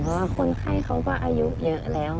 เพราะว่าคนไข้เขาก็อายุเยอะแล้ว